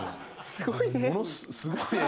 すごいね。